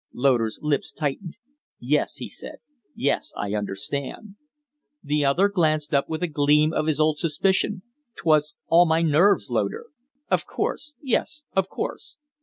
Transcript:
Loder's lips tightened. "Yes," he said, "yes I understand." The other glanced up with a gleam of his old suspicion "'Twas all my nerves, Loder " "Of course. Yes, of course."